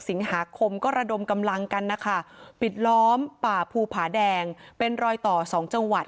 สิงหาคมก็ระดมกำลังกันนะคะปิดล้อมป่าภูผาแดงเป็นรอยต่อ๒จังหวัด